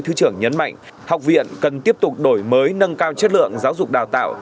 thứ trưởng nhấn mạnh học viện cần tiếp tục đổi mới nâng cao chất lượng giáo dục đào tạo